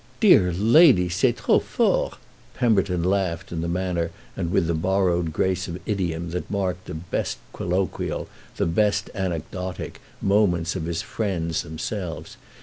"Dear lady, c'est trop fort!" Pemberton laughed in the manner and with the borrowed grace of idiom that marked the best colloquial, the best anecdotic, moments of his friends themselves.